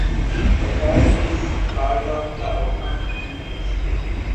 The church is part of the Oakham team ministry.